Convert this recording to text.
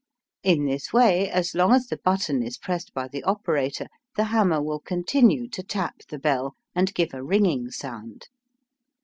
In this way, as long as the button is pressed by the operator, the hammer will continue to tap the bell and give a ringing sound.